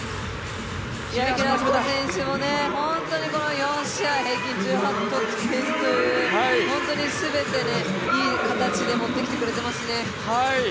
平下選手も本当にこの４試合平均１８点という、本当に全ていい形でもってきてくれてますね。